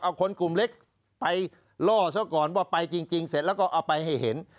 เอาคนกลุ่มเล็กไปล่อซะก่อนว่าไปจริงเสร็จแล้วก็เอาไปให้เห็น